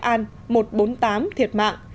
an một trăm bốn mươi tám thiệt mạng